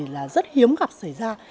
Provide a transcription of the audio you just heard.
là rất hiếm gặp xảy ra